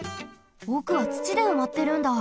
おくはつちでうまってるんだ。